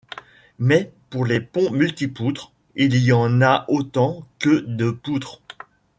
Mais pour les ponts multipoutres, il y en a autant que de poutres.